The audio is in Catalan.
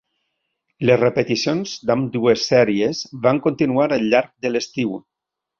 Les repeticions d'ambdues sèries van continuar al llarg de l'estiu.